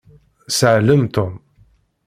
Sseɛlem Tom.